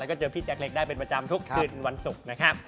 แล้วก็เจอพี่แจ๊กเล็กได้เป็นประจำทุกคืนวันศุกร์นะครับ